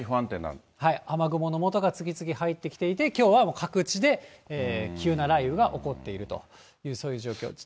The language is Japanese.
雨雲のもとが次々入ってきていて、きょうは各地で急な雷雨が起こっているという、そういう状況です。